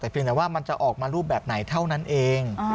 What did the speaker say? แต่เพียงแต่ว่ามันจะออกมารูปแบบไหนเท่านั้นเอง